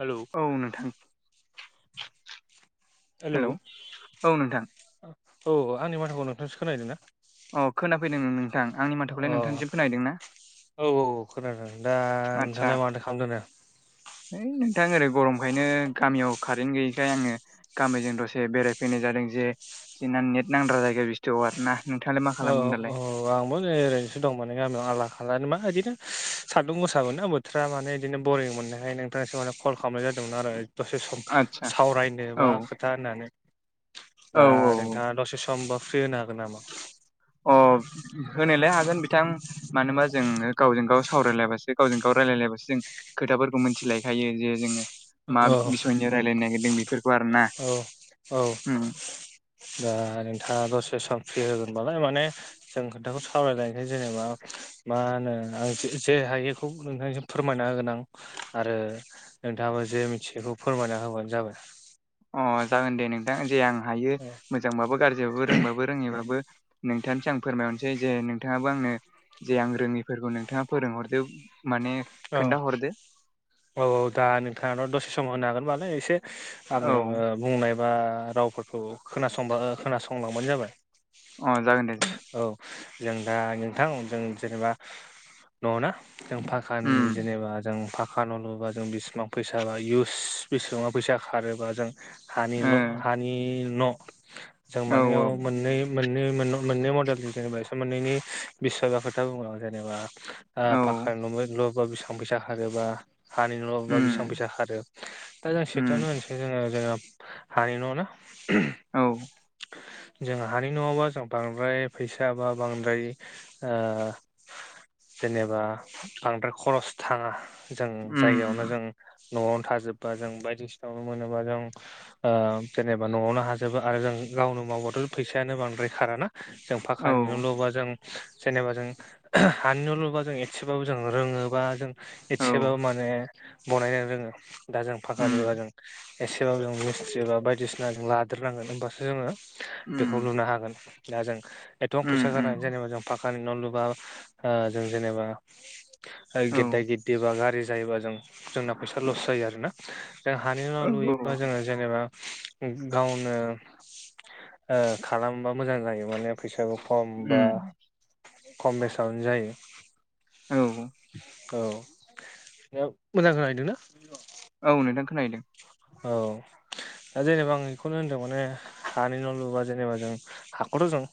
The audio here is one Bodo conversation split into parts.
हेलौ औ नोंथां हेलौ औ, औ नोंथां आंनि माथोखौ नोंथां इसो खोनायहैदों ना? अ खोनाफैदों नोंथां आंनि अ माथोखौलाय नोंथांसिम खोनाहैदों ना? औ औ औ खोनादों दा नोंथांलाय माथो खालामबायथादों? होइ नोंथां ओरै गरमखायनो गामियाव कारेन्ट गैयिखाय आङो गामिजों दसे बेरायफैनाय जादों जे जोंना नेट नांद्रा जायगा बुस्थु आरो ना। नोंथाङालाय मा औ खालामदों औ दालाय औ आंबो ओरैनोसो दं माने गामियाव आला खाला मा इदिनो सान्दुं गोसाबो ना आंबो बोथोरआ माने बिदिनो बरिं मोननायखाय नोंथाङासो मानो कल खालामनाय जादोंमोन आरो? दसे सम आदसा सावरायनो औ बा खोथा होननानै औ दा औ दा दसे समबा फ्रि होनो हागोन नामा? अ होनोलाय हागोन बिथां मानो ओनबा जों गावजों गाव सावरायलायबासो गावजों गाव रायलायलायबासो जों खोथाफोरखौ मिथिलायखायो जे जोङो मा औ बिसयनि रायलायनो नागिरदों बेफोर औ औ दा नोंथाङा दसे सम फ्रि होगोनबालाय माने जों खोथाखौ सावरायलायनोसै जेनेबा। मा होनो आं जेसे हायो नोंथांजों फोरमायना होगोन आं आरो नोंथाङाबो जे मिथियैखौ फोरमायना होबानो जाबाय। अ जागोन दे नोंथां जे आं हायो मोजांबाबो गाज्रिबाबो रोंबाबो रोङिबाबो नोंथानिसो आं फोरमायहरनोसै जे नोंथाङाबो आंनो जे आं रोङिफोरखौ नोंथाङा फोरोंहरदो माने औ खोन्थाहरदो औ औ दा नोंथाङाथ' दसे समाव होनो हागोनबालाय एसे औ आंनियाव बुंनाय बा रावफोरखौ खोनासंबा खोनासंलांबानो जाबाय। अ जागोन दे जागोन। औ जों दा नोंथां जों जेनेबा न' ना जोंं फानो उम जेनेबा जों फा खामानि मावबा जों बिसेबां फैसा बा इउस बेसेबां फैसा खारोबा जों हानिल' हानि न' जों ओ औ मानेयाव मोन्नै मोन्नै मोन मोन्नै मडेलजों जेनेबा एसे मोननैनि बिसय बा खोथा बुंङो जेनेबा ओ औ फाखानि न' लु'बा बिसिबां फैसा खारोबा हानि न'लुबा उम बेसेबां फैसा खारो दा जों उम सेथियावनो होनसै जोङो जोंना हानि न' ना औ जों हानि न'आवबा जों बांद्राय फैसा बा बांद्राय ओ जेनेबा बांद्राय खरस थाङा जों उम जायगायावनो जों न'आवनो थाजोब्बा जों बायदिसिना न'आवनो मोनोबा जों ओ जेनेबा न'आवनो हाजोबो आरो जों गावनो मावबाथ' फैसायानो बांद्राय खाराना। जों औ पाखानि न'लुबा जों जेनेबा जों हानि न' लुबा जों एसेबाबो जों रोङोबा जों औ एसेबाबो माने बनायनो रोङो दा जों उम फखानिबा जों एसेबाबो जों मिस्थ्रि बा बायदिसिना जों लादेरनांगोन ओमबासो जोङो उम बेखौ लुनो हागोन दा जों एथबां उम फैसा गारनानै उम जेनेबा जों फाखानि न' लुबा‌ओ जों जेनेबा ओ औ गेददा गेददि बा गारज्रि जायोबा जों जोंना फैसा लस जायो आरोना जों हानि नाव औ लुयोबा जोङो जेनेबा गावनो ओ खालामोबा मोजां जायो माने फैसाबो खम बा उम खम बेसावनो जायो औ औ मोजां खोनाहैदोंना औ नोंथां खोना हैदों औ दा जेनेबा आं बेखौनो होन्दों माने हानि न' लुबा जेनेबा जों हाखौथ' जों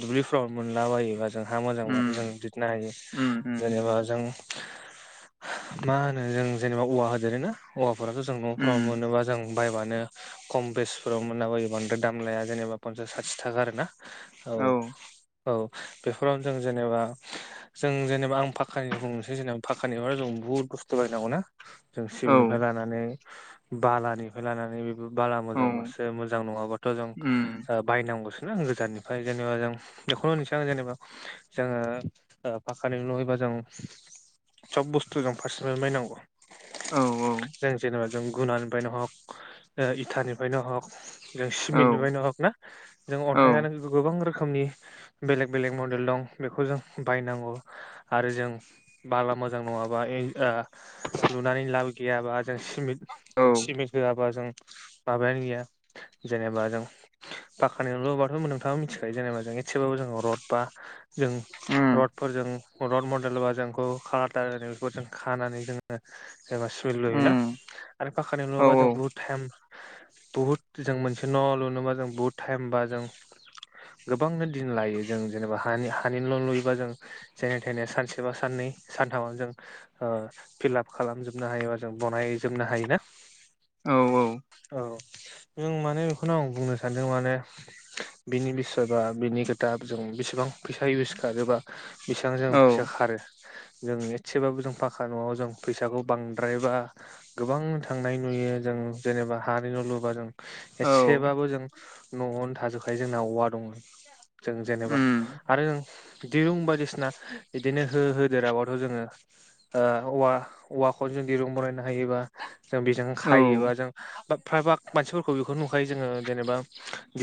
दुब्लिफ्राव मोनलाबायोबा जों हा मोजांब्लाथ जों उम दिरनो हायो उम उम जेनेबा जों मा होनो जों जेनेबा औवा होदेरो ना औवाफोराथ' जों न'फोराव उम नों जेनेबा जों बायबानो खम बेसनफोराव मोनलाबायो बांद्राय दाम लाया जेनेबा पनसास साथिथाखा आरो ना औ औ बेफोरावनो जों जेनेबा जों जेनेबा आं पाखानि बुंनोसै जेनेबा पाखानिबाथाय जों बुहुद बस्थु बायनांगौना जों औ सिमिथनिफ्राय लानानै बालानिफ्राय लानानै बाला औ मोजांबासो मोजां नङाबाथ' जों उम बायनांगौसोना गोजाननिफ्राय जेनेबा जों बेखौनो होन्नोसै आं जेनेबा जोङो ओ पखानि न'बा जों सब बुस्थु जों फारसेनिफ्राय बायनांगौ औ जों जेनेबा जों गुनानिफ्रायनो हक ओ इथानिफ्रायनो हक जों औ सिमेन्टनि बायनो हक ना जों औ अन्थाइआनो गोबां रोखोम रोखोमनि बेलेग बेलेग मडेल दं बेखौ जों बायनांगौ आरो जों बाला मोजां नङाबा ए ओ लुनानै लाब गैया बा जों सिमिट औ सिमित होआबा जों माबायानो गैया जेनेबा जों पाखानि न' लुबाथ' नोंथाङा मिथिखायो जेनेबा जों एसेबाबो जोङो रड बा जों उम रडफोरजों रड मडेल बा जोंखौ खार बेखौ जों खानानै जोङो जेनबा सुइल लुयोना उम आरो पाखकानि औ लुबा जों बुहुद टाइम बुहुद जों मोनसे न' लुनोबा जों बुहुद टाइमबा जों गोबांनो दिन लायो जों जेनेबा हानि हानि न' लुयोबा जों जेन थेने सानसे बा साननै सानथामाव जों ओ फिलाप खालामजोबनो हायोबा जों बनायजोबनो हायो ना औ औ औ जों माने बेखौनो आं बुंनो सानदों माने बिनि बिसय बा बिनि खोथा जों बेसेबां फैसा इउस खारोबा बेसेबां जों औ फैसा खारो जों एसेबाबो जों फाखा न'आव जों फैसाखौ बांद्रायबा गोबां थांनाय नुयो जों जेनेबा हानि न' लुबा जों औ एसेबाबो जों न'आवनो थाजोबखायो जोंना औवा दङ जों जेनेबा। उम आरों दिरुं बायदिसिना बिदिनो हो-होदेराबाथ' जोङो। ओ औवा औवाखौ जों दिरुं बनायनो हायोबा। जों बेजों औ खायोबा जों बा फ्रायभाग मानसिफोरखौ बेखौ नुखायो जोङो जेनेबा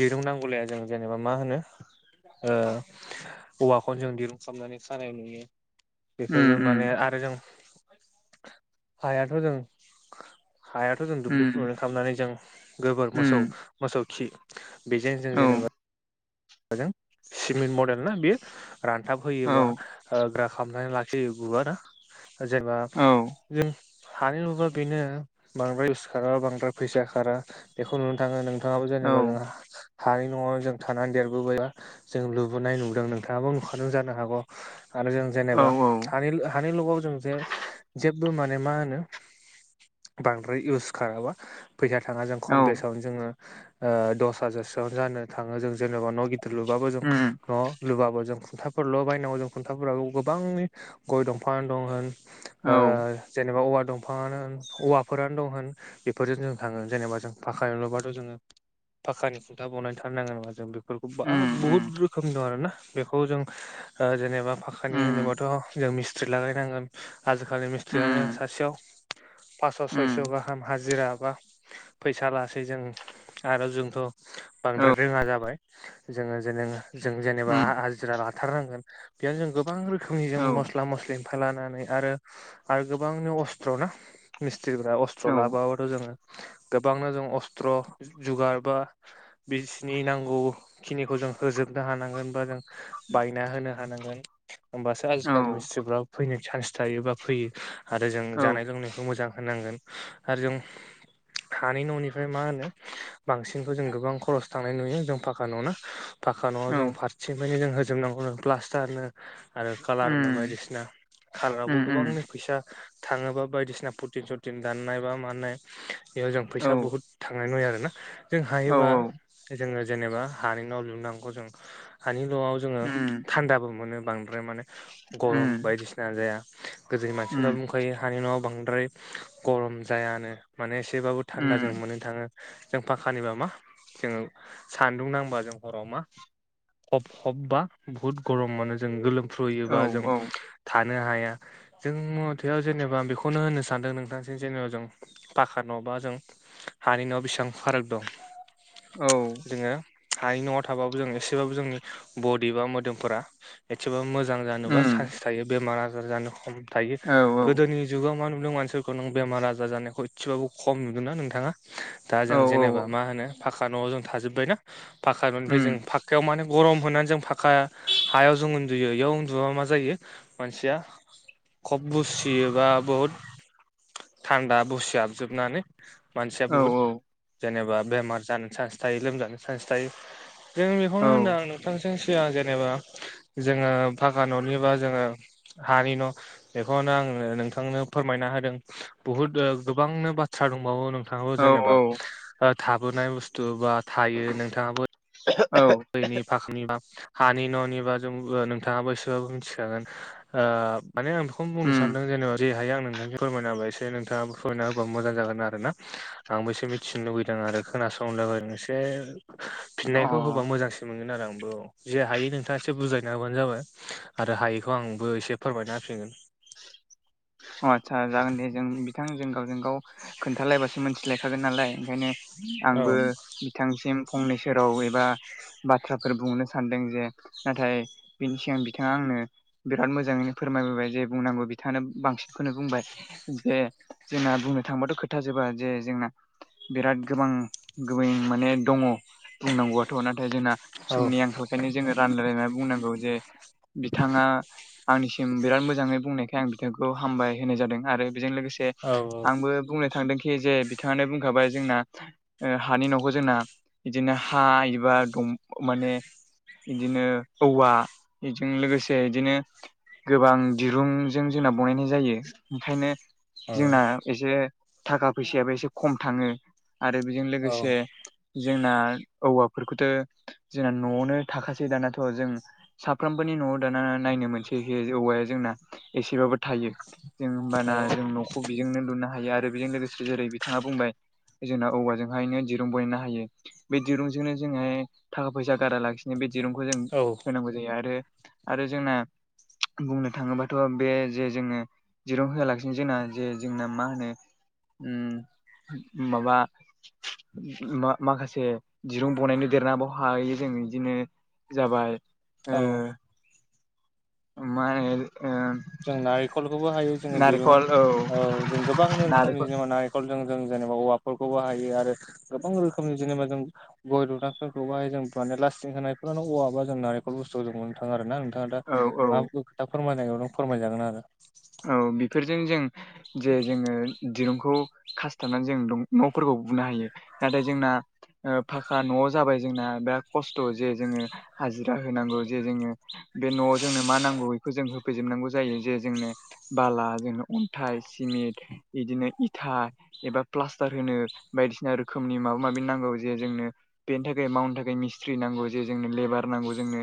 दिरुं नांगौलाया जों जेनेबा मा होनो ओ औवाखौ जों दिरुं खालामनानै खानाय नुयो उम बेफोरबो माने उम आरो जों हायाथ' जों हायाथ' जों उम दुब्लिफोरनानै खालामनानै जों गोबोर मोसौ उम मोसौ खि बेजों जों औ जेनेबा जों सिमेन्ट मडेल ना बेयो रानथाब होयोबा औ ओ ग्रा खालामनानै लाखि जे बुवाना जेनेबा औ जों हानि लुबा बेनो बांद्राय इउस खारा बांद्राय फैसा खारा बेखौ नोंथाङा नों नोंथाङाबो औ जेनेबा जों हानि न'आव जों थानानै देर लुबोबायबा जों लुबोनाय नुदों नोंथाङाबो नुखादों जानो हागौ आरो जों औ जेनेबा हानि-हानिलुगाव जों जे जेबबो माने मा होनो बांद्राय इउस खाराबा। फैसा थाङा जों औ खम बेसावनो जोङो ओ दस हाजासोआवनो जानो थाङो जों जेनेबा न' दोर लुबाबो जों उम न'। लुबाबो जों खुन्थाफोरल' बायनांगौ जों खुन्थाफोराबो गोबांनि गय दंफां दं होन। औ ओ जेनेबा औवा दं। दंफाङानो होन औवाफोरानो दं होन बेफोरजों जों थाङो जेनेबा जों फाखा न'लुबाथ जोङो। पाखानि खुन्था बनायथारनांगोन जों बे फोरखौ बा उम बहुत उम रोखोमनि दं आरोना बेखौ जों ओ जेनेबा उम फाखानि होनोबाथ' जों मिस्ट्रि लागायनांगोन आजिखालि उम औ उम औ मिस्थ्रियानो सासेयाव। पास्स' सयस' गाहाम हाजिरा बा फैसा लासै जों आरो जोंथ'। बांद्राय रोङा जाबाय जोङो जेन जों औ जेनेबा उम हा जिरा लाथारनांगोन बेयाव जों गोबां रोखोमनि उम औ जों उम उम मस्ला-मस्लि। खोनानानै आरो-आरो गोबांनि असथ्रआवनो मिस्ट्रिफ्रा असथ्र लाबोआबाथ' जोङो। गोबांनो जों अस्त्र' जु-जुगार बा बिसिनि नांगौ खिनिखौ जों होजोबनो हानांगोन बा जों बायना होनो हानांगोन। होमबासो आजिखालि उम मिस्ट्रिफ्राबो फैनो चान्स थायो बा फैयो। आरो जों जानाय लोंनायखौ मोजां होनांगोन आरो जों हानि न'नि ओमफ्राय मा होनो बांसिनखौ जों गोबां खरस थांनाय नुयो जों फाखा न'नो। फाखा न'आव जों फारसेनिफानो जों होजोबनांगौनो प्लास्टारनो। आरो कालारनो बायदिसिना कालारावबो गोबांनो उम फैसा। थाङोबा बायदिसिना पटिन-सटिन दाननाय बा मानाय बेयाव जों फैसा बहुद थांनाय नुयो आरोना जों हायोबा जोङो जेनेबा हानि न' लुनांगौ जों हानि न'आव जोङो थान्दाबो मोनो बांद्राय माने गरम बायदिसिना जाया गोदोनि मानसिफोरा बुंख फै हानि न'आव बांद्राय गरम जायानो माने एसेबाबो थान्दा जों मोननो थाङो। जों फाखानिबा मा जोङो सान्दुं नां बा जों हराव मा हब-हब बा बहुद गरम मोनो जों गोलोम फ्रुयोबा जों औ थानो हाया जों मथेबा जेनेबा बेखौनो होननो सानदों नोंथांसिम जेनेबा जों। पाखा न' बा जों हानि न' बेसेबां फाराग दं औ औ जोङो हानि न'आव थाबाबो जों एसेबाबो जोंनि बडि बा मोदोमफोरा। एसेबाबो मोजां जानोबा उम चान्स थायो बेमार आजार जानो खम थायो औ गोदोनि जुगाव मा नुदों मानसिफोरखौ नों बेमार आजार जानायखौ एसेबाबो खम नुदोंना नोंथाङा? दा औ जों जेने औ बा मा होनो पाखा न'आव जों थाजोब्बायना पाखा न'निफ्राय उम जों फाखायाव मानो गरम होनानै जों फाखा हायाव जों उन्दुयो याव उन्दुबा मा जायो मानसिया खब बुसियोबा बहुद थान्दा बुसिहाबजोबनानै मानसिया औ बुहुद जेनेबा बेमार जानो चान्स थायो लोमजानो चान्स थायो। जों बेखौनो होनदों आं नोंथांजों सिगां जेनेबा जोङो फाखा ननिबा जोङो हानि न बेखौनो आंनो नोंथांनो फोरमायना होदों बहुत ओ गोबांनो बाथ्रा दंबावो नों नोंथाङो औ जेनेबा ओ थाबोनाय बुस्थु बा थायो नोंथाङाबो। औ। दैनि फाखानिबा हानि न'निबा जों ओ नोंथाङाबो एसेबाबो मिथिखागोन। ओ माने आं बेखौनो बुंनो उम सानदों जेनेबा जि हायो आं नोंनो फोरमायना होबाय एसे नोंथाङाबो फोरमायना होबा मोजां जागोन आरो ना आंबो एसे मिथिनो लुबैदों आरो खोनासंनो लोगो एसे अ फिननायखौ होबा मोजांसिन मोनगोन आरो आंबो औ जि हायो नोंथाङा एसे बुजायना होबानो जाबाय आरो हायैखौ आंबो एसे फोरमायना होफिनगोन। अ आदसा जागोन दे जों बिथां जों गावजों गाव खोन्थालायबासो मोनथि लायखागोन नालाय ओंखायनो औ आंबो बिथांसिम फंनैसो राव एबा बाथ्राफोर बुंनो सानदों जे नाथाय बिनि सिगां बिथाङा आंनो बिराद मोजाङैनो फोरमायबोबाय जे बुंनांगौ बिथाङानो बांसिन खोनो बुंबाय जे जोंना बुंनो थांबाथ खोथा जोबा जे जोंना बिराद गोबां-गोबें माने दङ बुंनांगौआथ नाथाय जोंना औ समनि आंखालखायनो जोङो रानलायलायना बुंनांगौ जे बिथाङा आंनिसिम बिराद मोजाङै बुंनायखाय आं बिथांखौ हामबाय होनाय जादों आरो बिजों लोगोसे औ आंबो बुंनो थांदोंखि जे बिथाङानो बुंखाबाय जोंना ओ हानि न खौ जोंना बिदिनो हा एबा दम माने इदिनो औवा बेजों लोगोसे इदिनो गोबां दिरुं जों जोंना बनायनाय जायो ओंखायनो जोंना एसे थाखा फैसायाबो एसे खम थाङो आरो बेजों लोगोसे जोंना औवाफोरखौथ जोंना नआवनो थाखासै दानाथ जों साफ्रोमबोनि नआव दाना नायनो मोनसै जे औवाया जोंना एसेबाबो थायो। जों होमबाना जों न खौ बेजोंनो लुनो हायो आरो बेजों लोगोसे जेरै बिथाङा बुंबाय जोंना औवाजोंहायनो दिरुं बनायनो हायो। बे दिरुंजोंनो जोंङो थाखा फैसा गारा लाखिनो बे दिरुंखौ जों औ होनांगौ यो आरो आरो जोंना बुंनो थाङोबाथ बे जे जोङो दिरुं होआ लासिनो जोंना जे जोंना मा होनो ओम माबा मा-माखासे दिरुं बनायनो देरनाब हायो जों इदिनो जाबाय ओ औ मा होनो ओ जों नारिखलखौबो हायो जोङो दिरुं औ जों गोबां रोखोमनि नारेंखल जोङो नार खलजों जों जेनेबा औवाफोरखौ बाहायो आरो गोबां रोखोमनि जेनेबा जों गय दुनाफोरखौ बाहाय जों माने लास्टिं होनायफोर औवाबा जों नारेखल बुस्थ थु खौ जों मोननो थाङो आरोना नोंथाङा दा औ औ माबाफोर खोथा फोरमायनो नागिरदोंबा फोरमायजागोन आरो। औ बिफोरजों जों जे जोङो दिरुंखौ खासथाबनानै जों दं नफोरखौ बुनो हायो नाथाय जोंना ओ फाखा नआव जाबाय जोंना बेराद खस्थ जे जोङो हाजिरा होनांगौ जे जोङो बे नआव जोंनो मा नांगौ बेखौ जों होफैजोबनांगौ जायो जे जोंनो बाला जोंनो अन्थाइ सिमिन्ट इदिनो इथा एबा प्लास्टार होनो बायदिसिना रोखोमनि माबा माबि नांगौ जे जोंनो बेनि थाखाय मावनो थाखाय मिसि ट्रि नांगौ जे जोंनो लेबार नांगौ जोंनो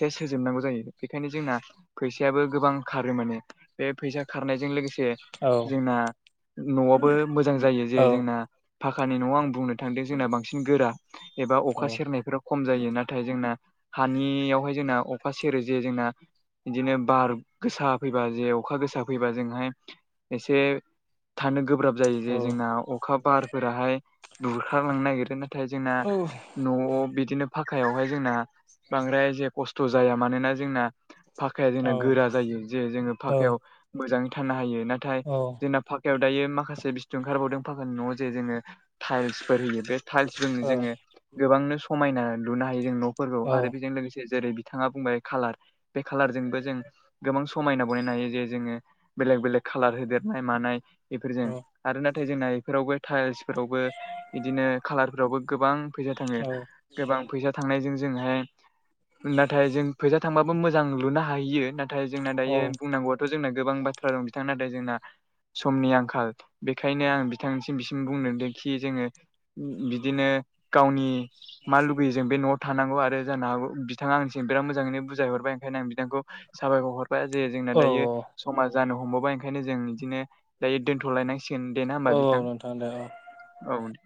सेस होजोबनांगौ जायो बेखायनो जोंना फैसायाबो गोबां खारो माने बे फैसा खारनायजों लोगोसे औ जोंना न'आबो मोजां जायो जे औ जोंना फाखानि न'आव आं बुंनो थांदों जोंना बांसिन गोरा एबा अखा औ सेरनायफोरा खम जायो ना थाय जोंना हानियावहाय जोंना अखा सेरो जे जोंना इदिनो बार गोसा फैबा जेव अखा गोसा फैबा जोंहाय एसे थानो गोब्राब जायो जे औ जोंना अखा बार फोराहाय बुरखां लांनो नागिरो नाथाय जोंना न'आव बिदिनो फाक्कायावहाय जोंना बांद्राय जे खस्थ' जाया मानोना जोंना फाक्काया जोंना औ गोरा जायो जे जोंङो औ फाक्कायाव मोजांङै थानो हायो नाथाय जोंना फाक्कायाव दायो माखासे बिस्थु ओंखारबावदों फाक्कानि न'आव जे जोंङो टाइल्सफोर होयो बे टाइल्सजों औ जोंङो गोबांनो समायना लुनो हायो जों न' फोरगौ आरो बेजों लोगोसे जेरै थांङा बुंबाय खालार बे खालारजोंबो जों गोबां समायना बनायनो हायो जे जोंङो बेलेक बेलेक खालार होदेरनाय मानाय बेफोरजों आरो नाथाय जोंना ब इफोरावबो टाइल्सफोरावबो बिदिनो खालारफोरावबो गोबां फैसा थांङो औ गोबां फैसा थांनायजों जोंहाय नाथाय जों फैसा थांबाबो मोजां लुनो हाहैयो नाथाय जोंना दायो बुंनांगौवा थ' जोंना गोबां बाथ्रा दं बिथां नाथाय जोंना समनि आंखाल बेखायनो आं बिथां बिसिम बुंनो दे खि जोंङो उम्म बिदिनो गावनि मा लुबैयो जों बे न'आव थानांगौ आरो जानो हागौ बिथांङा आंनिसिम बिराद मोजांङैनो बुजाय हरबाय ओंखायनो आं बिथांखौ साबायखर हरबाय जे जोंना औ दायो समा जानो हमबावबाय ओंखायनो जों इदिनो दायो दोन्थ'लायनांसिगोन दे ना होमबा औ बिथां। नोंथां दे औ औ दे